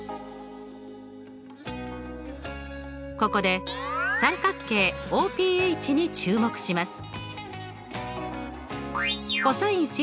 ここで三角形ＯＰＨに注目します。